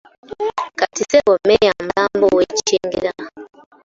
Kati ssebo mmeeya mulamba ow’e Kyengera.